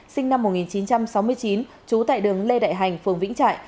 sinh năm một nghìn chín trăm sáu mươi chín trú tại đường lê đại hành phường vĩnh trại